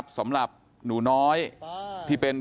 พี่สาวอายุ๗ขวบก็ดูแลน้องดีเหลือเกิน